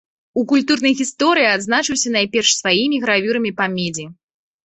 У культурнай гісторыі адзначыўся найперш сваімі гравюрамі па медзі.